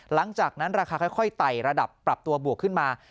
หลังจากนั้นราคาค่อยไต่ระดับปรับตัวบวกขึ้นมา